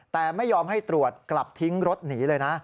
แต่ไม่ยอมให้ตรวจกลับทิ้งรถหนีเลยนะ